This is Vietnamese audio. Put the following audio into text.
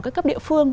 các cấp địa phương